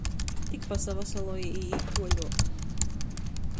Tik pasavasaloj i īt tuoļuok.